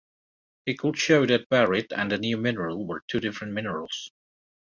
He could show that barite and the new mineral were two different minerals.